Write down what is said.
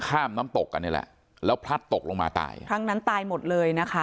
น้ำตกกันนี่แหละแล้วพลัดตกลงมาตายครั้งนั้นตายหมดเลยนะคะ